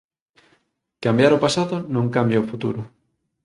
Cambiar o pasado non cambia o futuro.